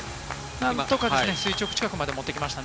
何とか垂直近くまでもっていきました。